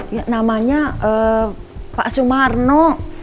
ya namanya pak sumarno